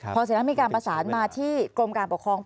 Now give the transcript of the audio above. พอเสร็จแล้วมีการประสานมาที่กรมการปกครอง